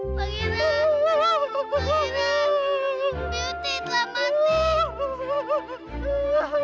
bagina bagina beauty telah mati